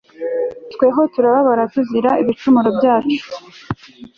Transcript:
twebweho turababara, tuzira ibicumuro byacu